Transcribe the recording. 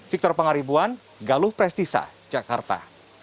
victor pangaribuan galuh prestisa jakarta